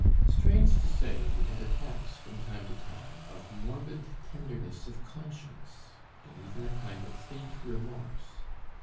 Strange to say, he had attacks from time to time of morbid tenderness of conscience and even a kind of faint remorse.